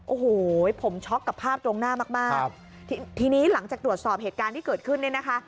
โอ้โหผมช็อกกับภาพตรงหน้ามากมากทีนี้หลังจากตรวจสอบเหตุการณ์ที่เกิดขึ้นเนี่ยนะคะ